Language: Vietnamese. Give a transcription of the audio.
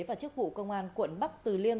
và chức vụ công an quận bắc từ liêm